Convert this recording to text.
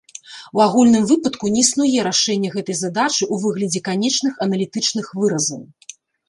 У агульным выпадку не існуе рашэння гэтай задачы ў выглядзе канечных аналітычных выразаў.